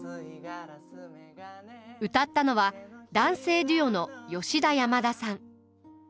歌ったのは男性デュオの吉田山田さん。